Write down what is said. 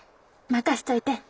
任しといて。